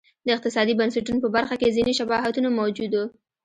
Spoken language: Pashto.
د اقتصادي بنسټونو په برخه کې ځیني شباهتونه موجود و.